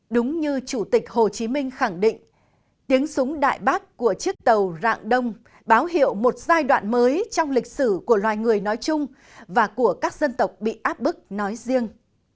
đúng như chủ tịch hồ chí minh khẳng định tiếng súng đại bác của chiếc tàu rạng đông báo hiệu một giai đoạn mới trong lịch sử của loài người nói chung và của các dân tộc bị áp bức nói riêng